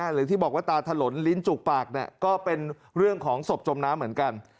หรือที่บอกว่าตาถลนลิ้นจุกปากก็เป็นเรื่องของศพจมน้ำเหมือนกัน